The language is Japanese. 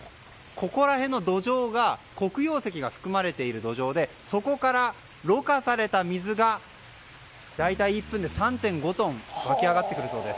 ここら辺の土壌が黒曜石が含まれている土壌でそこから、ろ過された水が大体、１分で３．５トン湧き上がってくるそうです。